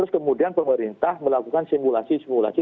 terus kemudian pemerintah melakukan simulasi simulasi